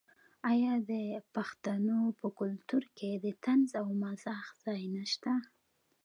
آیا د پښتنو په کلتور کې د طنز او مزاح ځای نشته؟